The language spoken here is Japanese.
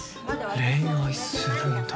恋愛するんだ